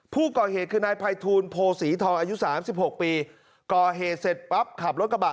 ผู้ก่อเหตุคือนายภัยทูลโพศีทองอายุสามสิบหกปีก่อเหตุเสร็จปั๊บขับรถกระบะ